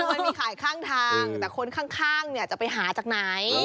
แต่กระทงมันมีขายข้างทางแต่คนข้างจะไปหาจากไหน